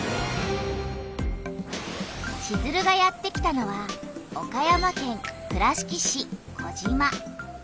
チズルがやって来たのは岡山県倉敷市児島。